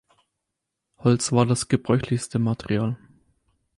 Holz war das gebräuchlichste Material.